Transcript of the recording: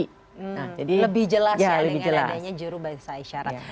nah jadi lebih jelas ya dengan adanya juru bahasa isyarat